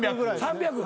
３００。